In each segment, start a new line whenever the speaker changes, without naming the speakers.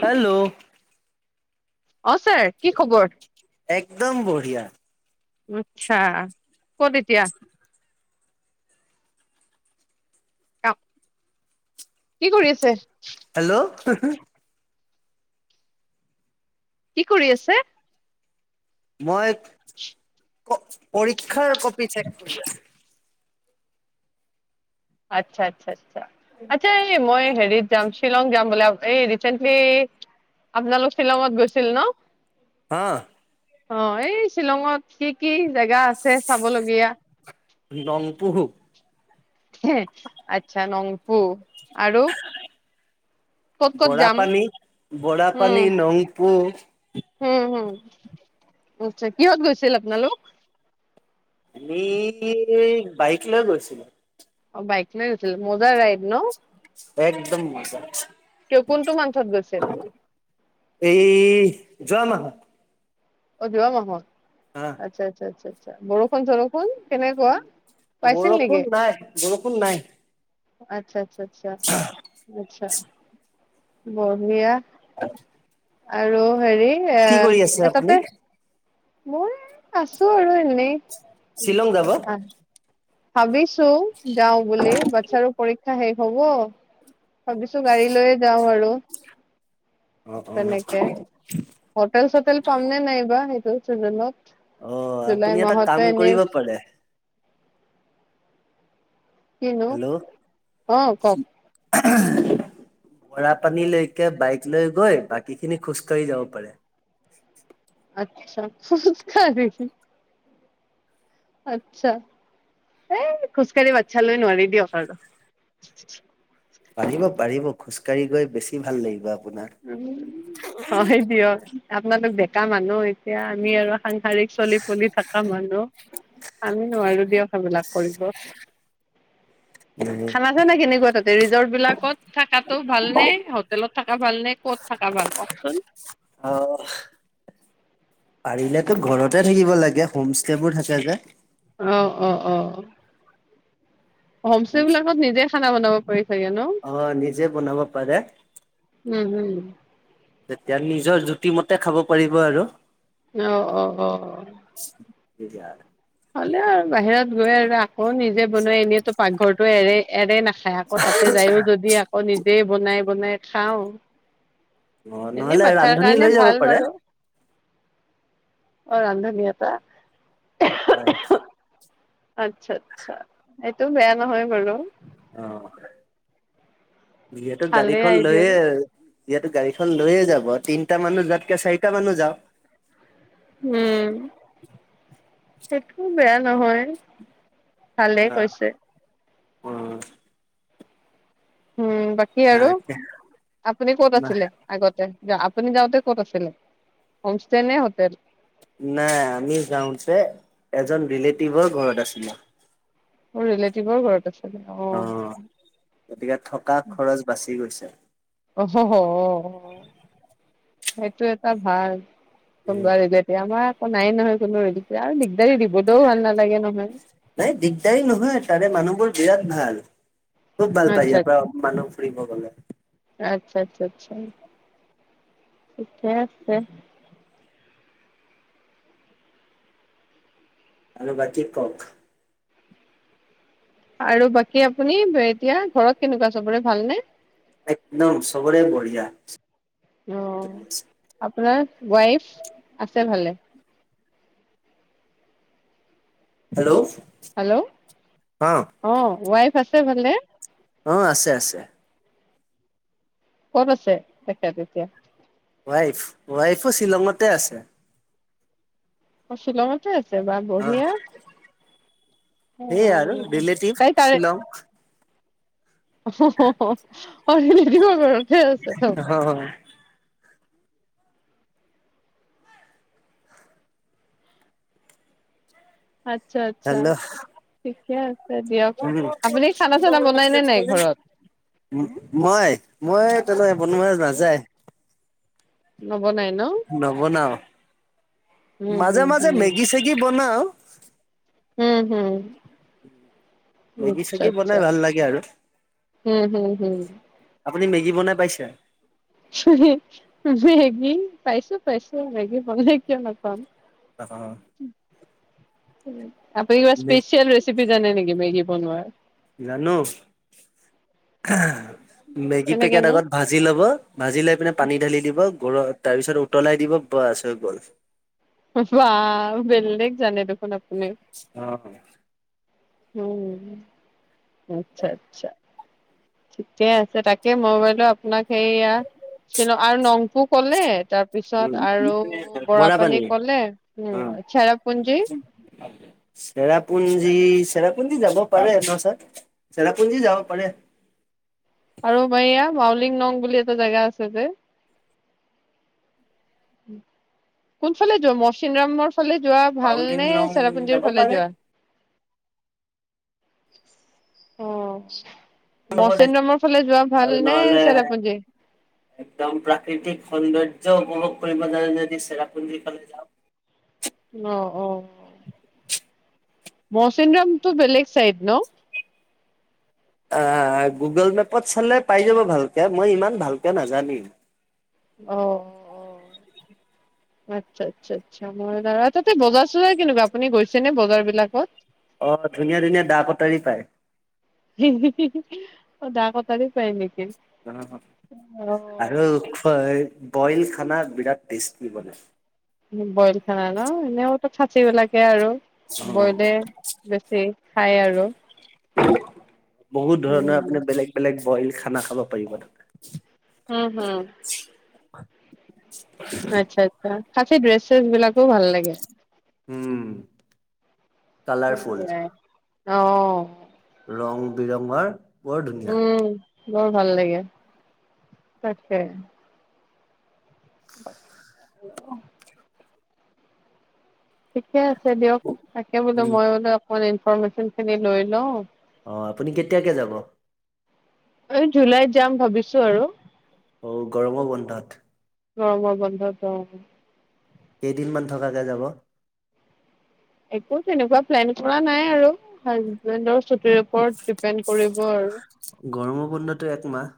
Hello
অঁ, sir কি খবৰ?
একদম বঢ়িয়া
আচ্ছা ক'ত এতিয়া কি কৰি আছে?
হেল্ল'
কি কৰি আছে?
মই পৰীক্ষাৰ কপি চেক কৰি আছো
আচ্ছা, আচ্ছা, আচ্ছা, আচ্ছা এই মই হেৰিত যাম শ্বিলং যাম বোলে এই ৰিচেন্টলি আপোনালোক শ্বিলঙত গৈছিল ন
হা
অঁ এই শ্বিলঙত কি কি? জেগা আছে চাবলগীয়া
লংপুহ
আচ্ছা নংপু আৰু ক'ত ক'ত
বৰা
যাম
পানী, বৰা পানী, নংপু
হম হম আচছা কিহত গৈছিল আপোনালোক
অ বাইক লৈ গৈছিলো
অ বাইক লৈ গৈছিলি মজা ৰাইড ন
একদম মজা
কি কোনটো মান্টত গৈছিল
যা না
এইবোৰে নহয় আচ্ছা আচ্ছা আচ্ছা। বৰষুণ চৰোষুণ
বৰষুণ নাই বৰষুণ নাই।
আচ্ছা আচ্ছা। আচ্ছা আচ্ছা। বঢ়িয়া।
হাচি
আৰু হেৰি ইয়ে এ
আপুনি
তাতে। মই আছো আৰু এনেই
শ্বিলং যাব।
ভাবি চো যাওঁ বুলি বাচ্ছাৰো পৰীক্ষা। সেই শেষ হব ভাবিছো গাড়ী লৈয়ে যাওঁ আৰু।
অ
তেনেকে হোটেল চোটেল পামনে নাইবা সেইটো। একদম ৰাইত। [unintelligible]
অ, আপুনি এটা কাম কৰিব পাৰে।
কিনো? অ কওক।
মৰা পানী লৈকে বাইক লৈ গৈ বাকী খিনি খোজ কঢ়ি যাব পাৰে।
আচ্ছা খোজকাঢ়ি। আচ্ছা, এ খোজকাঢ়ি বাচ্ছা লৈ নোৱাৰি দিয়ক আৰু।
পাৰিব পাৰিব। খোজকাঢি গৈ বেছি ভাল লাগিব। আপোনাৰ
উম হয় দিয়ক। আপোনালোক ডেকা মানুহ এতিয়া আমি আৰু সাংসাৰিক চলি পুলি থকা মানুহ আমি নোৱাৰো দিয়ক সেইবিলাক।
এ
খানা চানা কেনেকুৱা তাতে ৰিজৰ্ট বিলাকত থাকাতটো ভাল নে হোটেলত থকা ভাল নে? ক'ত থাক ভাল কওকচোন।
অ পাৰিলেতো ঘৰতে থাকিব লাগে হোম ষ্টে বোৰ থাকে যে।
আহ অ অ। হোম ষ্টে বিলাকত নিজে খানা বনাব পাৰি চাগে ন?
অ নিজে বনাব পাৰে
উম হম। উ
তেতিয়া নিজৰ জুতি মতে খাব পাৰিব আৰু।
অ অ অ অ।
তেতিয়া।
হলেও। বাহিৰত গৈ আৰু আকৌ নিজে বনাই এনেতো পাকঘৰটো এৰে এৰে নাখায় আকৌ তাতে যায়ও যদি আকৌ নিজে বনাই বনাই। খাঁও।
অ, নহলে ৰান্ধনী লৈ যাব
ভাল
পাৰে।
বাৰু অ, ৰান্ধনী এটা।
হয়।
আচ্ছা আচ্ছা এইটো বেয়া নহয় বাৰু।
অঁ। যিহেতো
ভালে
গাড়ীখন
আইডিয়া
লৈয়ে। যিহেতু গাড়ীখন লৈয়ে যাব তিনটা মানুহ যাতকে চাৰিটা মানুহ যাওঁ।
উম, সেইটো বেয়া নহয়। ভালেই কৈছে।
উম।
উম, বাকী আৰু
নাই
আপুনি ক'ত আছিলে আগতে? আপুনি যাওঁতে ক'ত আছিলে হোমষ্টে নে হোটেল
নাই আমি যাওঁতে এজন ৰিলেটিভৰ ঘৰত আছিলো
মোৰ ৰিলেটিভৰ ঘৰত আছে
অ গতিকে থকা খৰচ বাচি গৈছে [inaudible]
অ সেইটো এটা ভাল তুম বিলেতিয়া আমাৰ নাই নয় কোৰে আৰু দিগদাৰী দিবলৈও ভাল নালাগে নহয়
নাই দিগদাৰ নহয় ছাৰে মানুহবোৰ বিৰাট ভাল খুব ভাল পায়ে
আচ্ছা
ইয়াতে মানুহ ফুৰিব গ'লে
আচ্ছা আচ্ছা আচ্ছা ঠিকেই আছে
আৰু বাকী কক
আৰু বাকী আপুনি এতিয়া ঘৰত কেনেকুৱা চবোৰে ভালনে
একদম সবৰে বঢ়িয়া
অ', আপোনাৰ ৱাইফ আছে ভালে
হেল্ল'
হেল্ল' অ ৱাই চছে ভালে
অ আছে আছে
কত আছে তেখেত এতিয়া।
ৱাইফ ৱাইফো শ্বিলঙতে আছে
অ শ্বিলঙতে আছে ছে বা
অ',
বহিয়
সেইয়া আৰু ৰিলেটিভ
তাই তাৰে
শ্বিলং।
ঠ আছে ত [unintelligible] আচ্ছা আচ্ছা
হেল্ল'
ঠিকে আছে দিয়ক আপুনি খানা চানা বনাইনে নাই ঘৰত
নয় বনোৱা মাছ নাযায় [unintelligible]
নব নাই ন
নব নাও
উম
মাজে
হুম
মাজে মেগি চেগি বনাওঁ
উম হম
মেগী
আচ্ছা
চেগি বনাই
আচ্ছা
ভাল লাগে আৰু
হম হম হম
আপুনি মেগী বনাই পাইছে
মেগী পাইছোঁ পাইছোঁ মেগী বনাই কিয় নাপাম
আঁহ
উম আপ ই স্পেচিয়েল ৰেচিপি জানে নেকি মেগি বনাই
জানো মেগী পেকেট
কেনেকেনো
আগত ভাজি লব ভাজি লৈ পিনে পানী ঢালি দিব তাৰপিছত উতলাই দিব বাছ হৈ গ'ল
ৱাহ বেলেক জানে দেখোন
আঁহ
উ আচ্ছা আচ্ছা ঠিকে আছে তাকে মই বলো আপোনাক সেইয়া শ্বিল আৰু নংপু কলে তাৰপিছত
উম
আৰু
বৰা পানী
বৰাপানী কলে উম চেৰাপুঞ্জী
চেৰাপুঞ্জী চেৰাপুঞ্জী যাব পাৰে চেৰাপুঞ্জী যাব পাৰে
আৰু এইয়া মাউলিং নং বুলি এটা জেগা আছে যে কোন ফালে মৰচিংৰামৰ। ফালে যোৱা ভালনে
মাউলিংলং
চেৰাপুঞ্জিৰ
যাব
ফালে
পাৰে
যোৱা। অঁ। মচনৰামৰ ফালে যোৱা ভাল
আৰু
নে
নহ'লে
চেৰাপুঞ্জী।
একদম প্ৰাকৃতিক সৌন্দৰ্য উপভোগ কৰিব যদি চেৰাপুঞ্জী ফালে যাওঁ।
অঁ অঁ। মৌচিন ৰামটো বেলেগ চাইড ন।
আঁহ গুগল মেপত চালে পাই যাব ভালকে মই ইমান ভালকে নাজানি।
অঁ অঁ অঁ। আচ্ছা আচ্ছা আচ্ছা মই তাতে বজাৰ চজাৰ কেনেকুৱা আপুনি গৈছেনে বজাৰ বিলাকত
অঁ ধুনীয়া ধুনীয়া দা কটাৰী পায়
অঁ দা কটাৰি পায় নেকি
অঁ
অ
আৰু ক বইল খানাৰ বিৰাট টেষ্টি বনাই
বইল খানা ন এনেওতো খাচী বিলাকে আৰু
অ
বইলে বেছি খাই আৰু উম
উম বহুত ধৰণৰ আপোনাৰ বেলেগ বেলেগ বইল খানা খাব পাৰিব তাতে
উম হম।
হয়।
আচ্ছা আচ্ছা। খাচি ড্ৰেছ বিলাকো ভাল লাগে।
উম কালাৰফুল।
অঁ।
ৰং বিৰঙৰ বৰ ধুনীয়া।
উম বৰ ভাল লাগে তাকে [unintelligible] ঠিকে আছে দিয়ক তাকে বোলো মই বোলে ইনফৰমেচন খিনি লৈ লওঁ
অ আপুনি কেতিয়াকে যাব
এই জুলাইত যাম ভাবিছোঁ আৰু
অ গৰম বন্ধত
গৰমৰ বন্ধত অ
কেইদিনমান থকাকে যাব
একো তেনেকুৱা প্লেন কৰা নাই আৰু হাজবেণ্ডৰ ছুটিৰ ওপৰত ডিপেণ্ড কৰিব ব আৰু
গৰমৰ বন্ধ টো একমাহ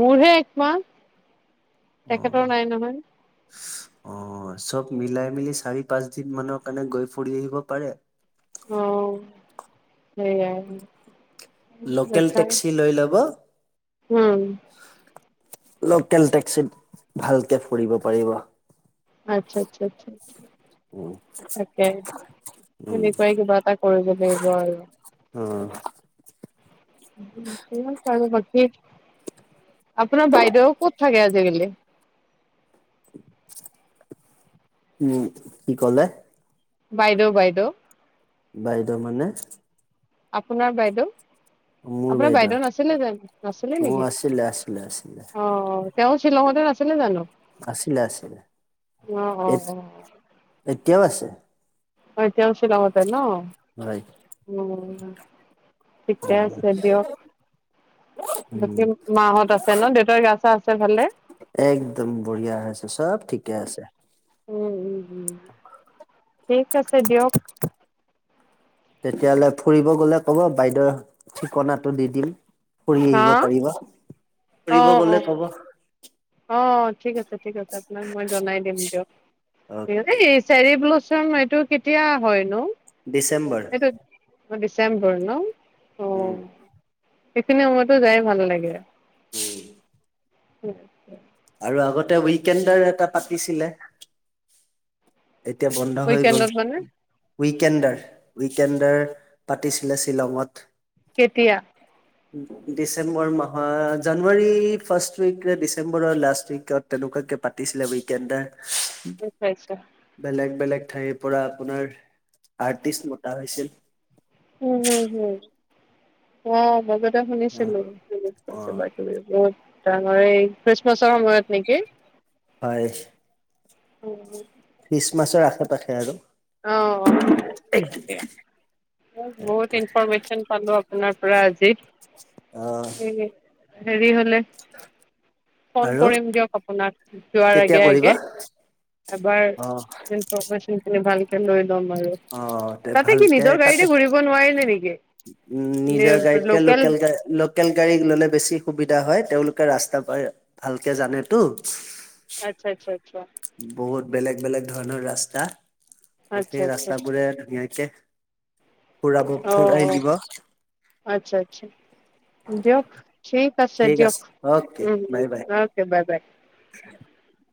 মোৰহে একমাহ
অ
তেখেতৰ নাই নহয়
অ অ চব মিলাই চাৰি পাঁচ দিন মানৰ কাৰণে গৈ ফুৰি আহিব পাৰে
আহ সেয়াই
লোকেল টেক্সি লৈ ল'ব
উম
লোকেল টেক্সিত ভালকে ফুৰিব পাৰিব
আচ্ছা আচ্ছা আচ্ছা
উম,
তাকে
উম।
এনেকুৱাই কিবা এটা কৰিব লাগিব আৰু
অঁ
আৰু বাকী আপোনাৰ বাইদেউ ক'ত থাকে আজিকালি
উম কি ক'লে
বাইদেউ বাইদেউ
বাইদেউ মানে
আপোনাৰ বাইদেউ আপোনাৰ বাইদেউ নাছিলে জানো নাছিলে
অ',
নেকি
আছিলে, আছিলে, আছিলে,
অ অ তেওঁ শ্বিলঙতে নাছিলে জানো।
আছিলে আছিলে
অ অ অ
এতিয়াও আছে।
হয় তেওঁ শ্বিলঙতে ন।
হয়,
উম ' ঠিকে আছে দিয়ক,
উম।
বাকী মাহঁত আছে ন দেউতাৰ গা চা আছে আছে ভালে।
একদম বঢ়িয়া আছোঁ চব ঠিকে আছে।
উম উম উম ঠিক আছে দিয়ক।
তেতিয়াহ'লে ফুৰিব গ'লে ক'ব বাইদেউ ঠিকনাটো দি দিম। ফুৰি
হা
আহিব পাৰিবা।
অ
ফুৰিব
অ
গলে কব। উ [inaudible]
অ ', ঠিক আছে - ঠিক আছে আপোনাক মই জনাই দিম দিয়ক। হেৰী
অ'কে
চেৰিব্লো চ এইটো কেতিয়া হয় নো।
ডিচেম্বৰ
ডিছেম্বৰ ন অহ
উম।
', সেইখিনি সময়তো যায় ভাল লাগে। উম', উম ',
আৰু আগতে ৱিকেণ্ডৰ এটা পাতিছিলে। এতিয়া বন্ধ হৈ গ'ল।
উইকেণ্ডত মানে
উইকেণ্ডাৰ - উইকেণ্ডাৰ পাতিছিলে শ্বিলঙত।
কেতিয়া
ডিচেম্বৰ মাহৰ জানুৱাৰী ফাৰ্ষ্ উইক ডিচেম্বৰ বোৰৰ লাষ্ট উইকত তেনেকুৱাকৈ পাতিছিলে উইকেণ্ডাৰ
নিশ্চয় নিশ্চয়।
বেলেগ - বেলেগ ঠাইৰ পৰা আপোনাৰ আৰ্টিষ্ট মতা হৈছিল।
উম- উম হম', অ', ম অ',
অ
শুনিচিলোঁ
অ
কিবা কিবি বহুত। জানুৱাৰী খ্ৰিমাছ চয়ত নেকি
হয়
উম- উম
খ্ৰীষ্টমাছৰ আশে পাশে আৰু।
অঁ অঁ তাকে বহুত ইনফৰমেশ্যন পালো আপোনাৰ পৰা আজি
অ
উম উম হেৰি হলে ফোন
আৰু
কৰিম দিয়ক আপোনাক যোৱাৰ
কেতিয়া
আগে আগে
কৰিবা
এবাৰ
অ
ইনফৰমেশ্যনটো নে ভালকে লৈ
অ তে
তাতে কি
ভালকে
নিজৰ
তাতে
গাড়ীতে ঘূৰিব নোৱাৰিলে নেকি?
উ নিজৰ গাড়ীতকে লোকেল গা লোকেল গাড়ী ললে বেছি সুবিধা হয় তেওঁলোক তয় ৰাস্তা পাই ভালকে জানেত
আচ্ছা আচ্ছা আচ্ছা।
বহুত বেলেগ বেলেগ ধৰণৰ ৰাস্তা।
আচ্ছা
একেই
আচ্ছা
ৰাস্তা
আচ্ছা
বোৰে ধুনীয়াকে ফুৰাব
অ
ফুৰাই
অ
দিব
আচ্ছা আচ্ছা দিয়ক ঠিক আছে
ঠিক
দিয়ক
অকে
উম উম
বাই বাই
ওকে বাই বাই
[inaudible]